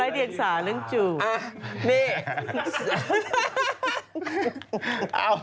โอลี่คัมรี่ยากที่ใครจะตามทันโอลี่คัมรี่ยากที่ใครจะตามทัน